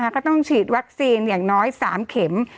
ก็ต้องฉีดวัคซีนอย่างน้อย๓เข็ม